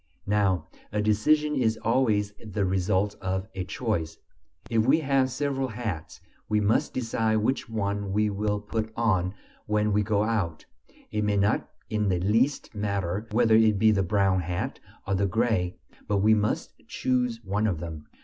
Now a decision is always the result of a choice. If we have several hats, we must decide which one we will put on when we go out; it may not in the least matter whether it be the brown hat or the gray, but we must choose one of them.